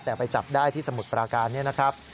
แต่ไปจับได้ที่สมุทรปราการนี้นะครับ